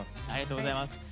ありがとうございます。